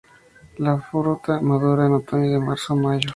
La fruta madura en otoño de marzo a mayo.